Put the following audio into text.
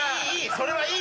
それはいい！